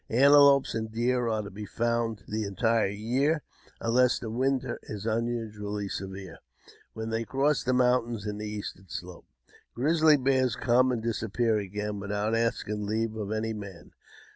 Antelopes and deer are to be found the entire year, unless the winter is unusually severe, when they cross the mountains to the eastern slops. Grizzly bears come and disappear again, without asking leave of any man.